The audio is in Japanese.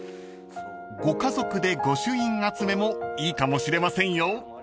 ［ご家族で御朱印集めもいいかもしれませんよ］